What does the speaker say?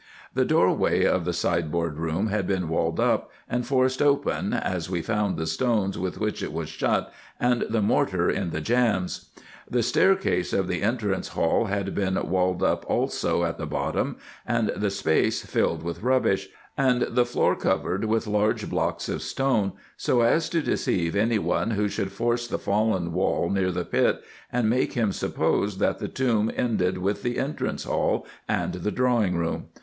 The door way of the sideboard room had been walled up, and forced open, as we found the stones with which it was shut, and the mortar in the jambs. The staircase of the entrance hall had been walled up also at the bottom, and the space filled with rubbish, and the floor covered with large blocks of stone, so as to deceive any one who should force the fallen wall near the pit, and make him suppose, that the tomb ended with the entrance hall and the drawing room.